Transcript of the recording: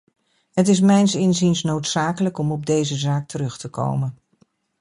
Het is mijns inziens noodzakelijk om op deze zaak terug te komen.